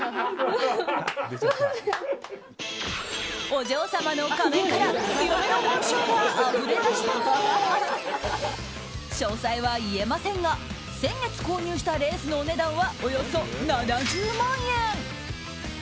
お嬢様の仮面から強めの本性があふれだしたので詳細は言えませんが先月購入したレースのお値段はおよそ７０万円。